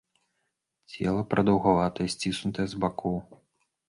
Цела прадаўгаватае, сціснутае з бакоў.